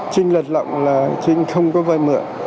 trinh lật lọng là trinh không có vai mượn